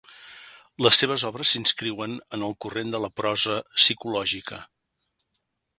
Les seves obres s'inscriuen en el corrent de la prosa psicològica.